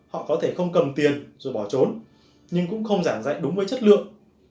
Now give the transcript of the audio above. họ có thể không cầm tiền rồi bỏ trốn nhưng cũng không giảng dạy đúng với chất lượng